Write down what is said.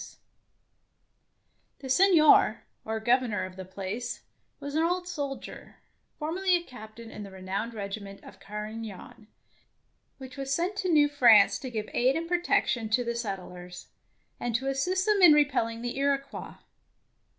96 DEFENCE OF CASTLE DANGEROUS The Seignior or Governor of the place was an old soldier, formerly a captain in the renowned regiment of Carignan, which was sent to New France to give aid and protection to the settlers, and to assist them in re pelling the Iroquois.